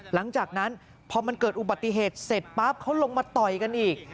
หลังจากนั้นพอมันเกิดอุบัติเหตุเสร็จปั๊บเขาลงมาต่อยกันอีก